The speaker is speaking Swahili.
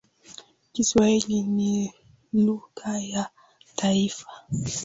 Kiswahili ni lugha ya taifa.